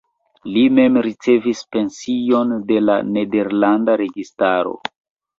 Li mem ricevis pension de la nederlanda registaro.